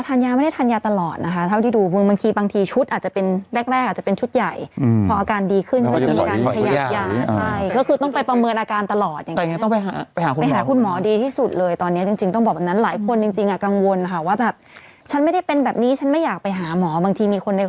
ทานยาตลอดนะคะเท่าที่ดูเมืองบางทีบางทีชุดอาจจะเป็นแรกแรกอาจจะเป็นชุดใหญ่อืมพออาการดีขึ้นก็คือต้องไปประเมินอาการตลอดอย่างเงี้ยแต่ยังไงต้องไปไปหาคุณหมอไปหาคุณหมอดีที่สุดเลยตอนเนี้ยจริงจริงต้องบอกแบบนั้นหลายคนจริงจริงอ่ะกังวลค่ะว่าแบบฉันไม่ได้เป็นแบบนี้ฉันไม่อยากไปหาหมอ